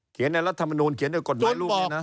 เขียนรัฐมนูรเขียนทุกกฎหมายรูปนั้นนะ